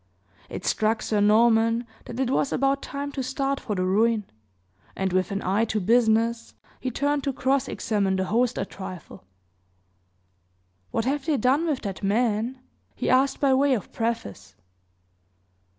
It struck Sir Norman that it was about time to start for the ruin; and, with an eye to business, he turned to cross examine mine host a trifle. "What have they done with that man?" he asked by way of preface.